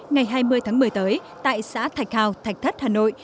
ngày hai mươi tháng một mươi tới tại xã thạch hào thạch thất hà nội